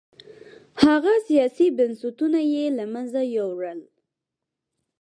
هغه سیاسي بنسټونه یې له منځه یووړل